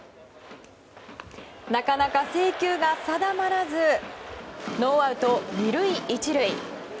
なかなか制球が定まらずノーアウト２塁１塁。